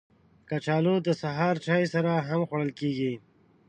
کچالو د سهار چای سره هم خوړل کېږي